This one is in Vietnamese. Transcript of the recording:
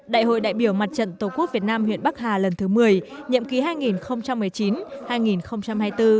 đại hội đại biểu mặt trận tổ quốc việt nam huyện bắc hà lần thứ một mươi nhiệm ký hai nghìn một mươi chín hai nghìn hai mươi bốn